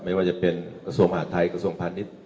ไม่ว่าจะเป็นกระทรวมหาท้ายกระทรวมพาลนิษฐ์